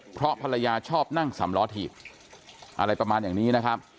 เพราะภรรยาชอบนั่งสำล้อถีบอะไรประมาณอย่างนี้นะครับ